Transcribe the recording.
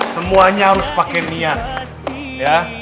semuanya harus pakai niat